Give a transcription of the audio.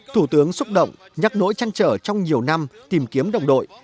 thủ tướng xúc động nhắc nỗi chăn trở trong nhiều năm tìm kiếm đồng đội